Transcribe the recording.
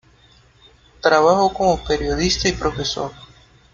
Trabajó como periodista y profesor.